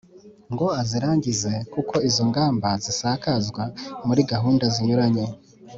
ngo azirangize kuko izo ngamba zisakazwa muri gahunda zinyuranye